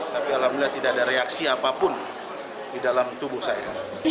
tapi alhamdulillah tidak ada reaksi apapun di dalam tubuh saya